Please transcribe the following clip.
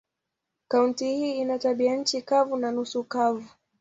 Kaunti hii ina tabianchi kavu na nusu kavu.